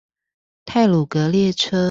太魯閣列車